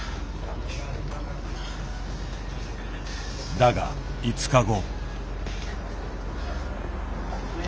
だが５日後。